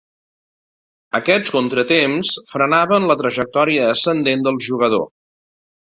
Aquests contratemps frenaven la trajectòria ascendent del jugador.